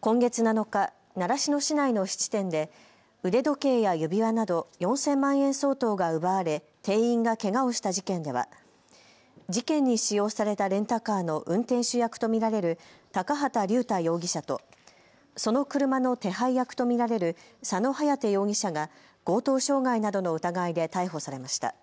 今月７日、習志野市内の質店で腕時計や指輪など４０００万円相当が奪われ店員がけがをした事件では事件に使用されたレンタカーの運転手役と見られる高畑竜太容疑者とその車の手配役と見られる佐野颯容疑者が強盗傷害などの疑いで逮捕されました。